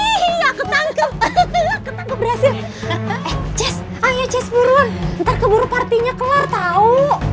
ih iya ketangkep berhasil ayo cez buruan ntar keburu partinya keluar tahu